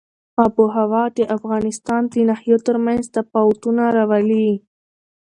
آب وهوا د افغانستان د ناحیو ترمنځ تفاوتونه راولي.